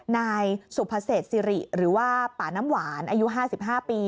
นายสุภเศษสิริหรือว่าป่าน้ำหวานอายุ๕๕ปี